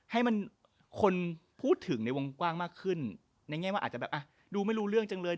ให้มันคนพูดถึงในวงกว้างมากขึ้นในแง่ว่าอาจจะแบบอ่ะดูไม่รู้เรื่องจังเลย